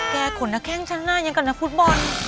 แกขนนาแข้งฉันหน้ายังกับนาภูตบอล